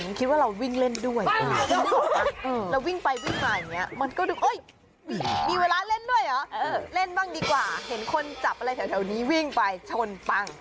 คิดว่าเราวิ่งเล่นด้วยแล้ววิ่งไปวิ่งมาอย่างนี้มันก็ดูมีเวลาเล่นด้วยเหรอเล่นบ้างดีกว่าเห็นคนจับอะไรแถวนี้วิ่งไปชนปัง